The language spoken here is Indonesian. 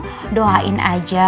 nanti kita bawain aja